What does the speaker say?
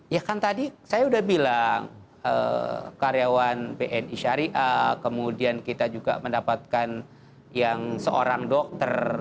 ya kan tadi saya sudah bilang karyawan bni syariah kemudian kita juga mendapatkan yang seorang dokter